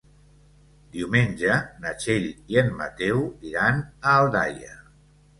Diumenge na Txell i en Mateu iran a Aldaia.